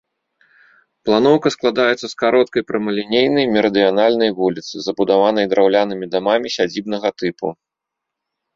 Планоўка складаецца з кароткай прамалінейнай, мерыдыянальнай вуліцы, забудаванай драўлянымі дамамі сядзібнага тыпу.